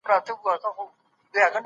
ولي سفارت په نړیواله کچه ارزښت لري؟